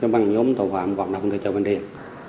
băng nhóm tội phạm hoạt động tại chợ bình điền